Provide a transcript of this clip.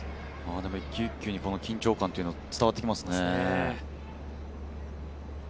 一球一球に、緊張感が伝わってきますね。